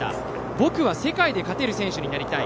僕は世界で勝てる選手になりたい。